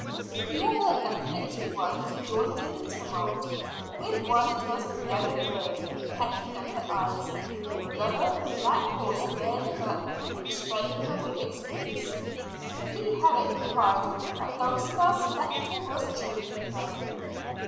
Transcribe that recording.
The other "afflicted" ones joined in the tumult. With one it was the "yellow bird" pecking at her eyes, with another the black horse rearing up and striking her with its hoofs. Leah Herrick cried that Dulcibel's "spectre" was choking her.